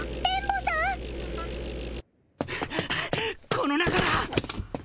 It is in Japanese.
この中だ！